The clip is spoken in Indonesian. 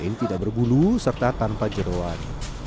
kain tidak berbulu serta tanpa jeruan